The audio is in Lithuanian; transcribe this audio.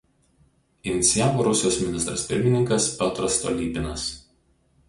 Inicijavo Rusijos ministras pirmininkas Piotras Stolypinas.